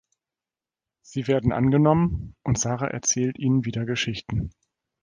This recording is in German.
Sie werden angenommen und Sara erzählt ihnen wieder Geschichten.